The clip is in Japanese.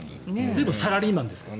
でもサラリーマンですから。